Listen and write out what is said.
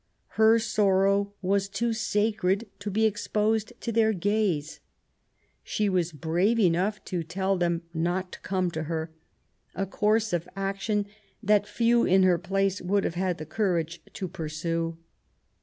Her sorrow was too sacred to be exposed to their gaze. She was brave enough to tell them not to come to her, a course of action that few in her place would have had the courage to pur sue.